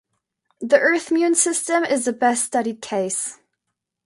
The Earth-Moon system is the best studied case.